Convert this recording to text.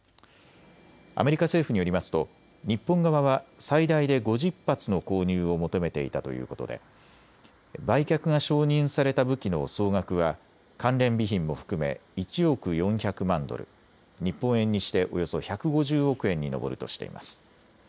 アメリカ政府によりますと日本側は最大で５０発の購入を求めていたということで売却が承認された武器の総額は関連備品も含め１億４００万ドル、日本円にしておよそ１５０億円に上るとしています。